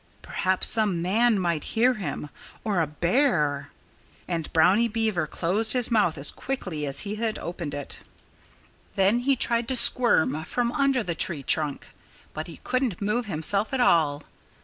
Perhaps some man might hear him or a bear! And Brownie Beaver closed his mouth as quickly as he had opened it. Then he tried to squirm from under the tree trunk. But he couldn't move himself at all.